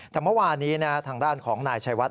แต่เมื่อวานี้ทางด้านของนายชัยวัด